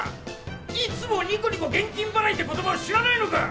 「いつもニコニコ現金払い」って言葉を知らねぇのか！